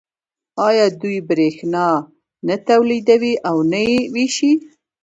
آیا دوی بریښنا نه تولیدوي او نه یې ویشي؟